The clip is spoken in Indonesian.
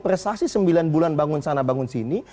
prestasi sembilan bulan bangun sana bangun sini